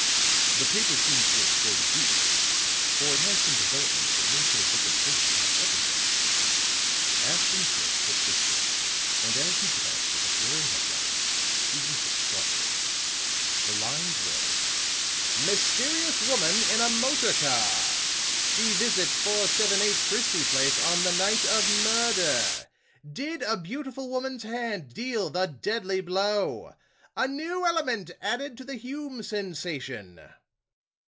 "The paper seems to have scored a beat, for it has some developments that may put a different face upon everything." Ashton Kirk took the sheet, and as he glanced at the flaring headlines, he whistled softly. The lines read: "MYSTERIOUS WOMAN IN A MOTOR CAR! "She Visits 478 Christie Place on the Night of Murder! "DID A BEAUTIFUL WOMAN'S HAND DEAL THE DEADLY BLOW? "A New Element Added to the Hume Sensation!"